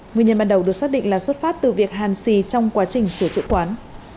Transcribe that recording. nguyên nhân ban đầu được xác định là xuất phát từ việc hàn xì trong quá trình sửa chữa quán